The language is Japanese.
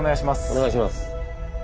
お願いします。